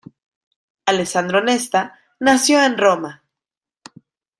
Alessandro Nesta nació en Roma.